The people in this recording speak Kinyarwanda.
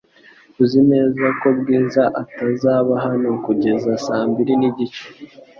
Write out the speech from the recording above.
Uzi neza ko Bwiza atazaba hano kugeza saa mbiri nigice?